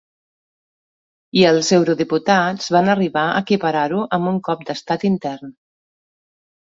I el eurodiputats van arribar a equiparar-ho amb un cop d’estat intern.